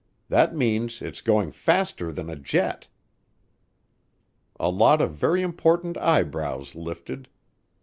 "That means it's going faster than a jet!" A lot of very important eyebrows lifted.